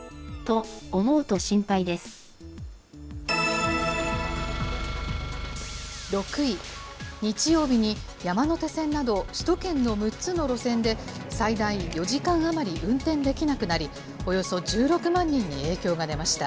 と、６位、日曜日に山手線など首都圏の６つの路線で、最大４時間余り運転できなくなり、およそ１６万人に影響が出ました。